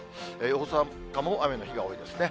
大阪も雨の日が多いですね。